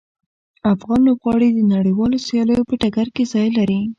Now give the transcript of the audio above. افغان لوبغاړي د نړیوالو سیالیو په ډګر کې ځای لري.